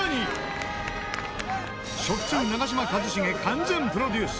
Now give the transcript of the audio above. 食通長嶋一茂完全プロデュース。